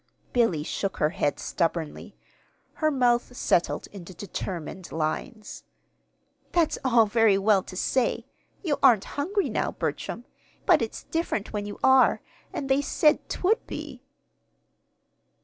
Billy shook her head stubbornly. Her mouth settled into determined lines. "That's all very well to say. You aren't hungry now, Bertram. But it's different when you are, and they said 'twould be."